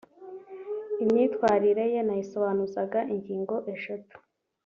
Imyitwarire ye nayisobanuzaga ingingo eshatu